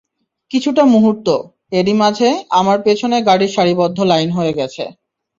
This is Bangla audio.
কিছুটা মুহূর্ত, এরই মাঝে আমার পেছনে গাড়ির সারিবদ্ধ লাইন হয়ে গেছে।